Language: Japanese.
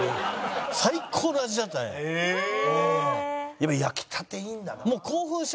やっぱ焼きたていいんだな。